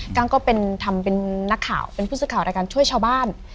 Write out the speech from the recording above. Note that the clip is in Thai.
ั้งก็เป็นทำเป็นนักข่าวเป็นผู้สื่อข่าวรายการช่วยชาวบ้าน